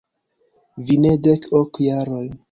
Vi ne dek ok jarojn.